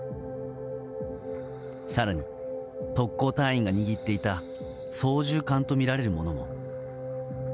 更に、特攻隊員が握っていた操縦桿とみられるものも。